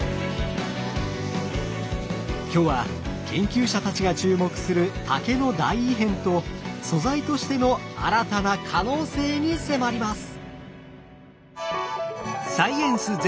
今日は研究者たちが注目する竹の大異変と素材としての新たな可能性に迫ります！